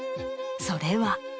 それは。